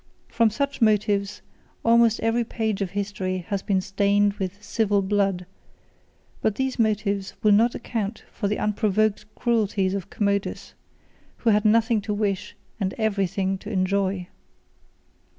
From such motives almost every page of history has been stained with civil blood; but these motives will not account for the unprovoked cruelties of Commodus, who had nothing to wish and every thing to enjoy.